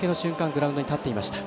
グラウンドに立っていました。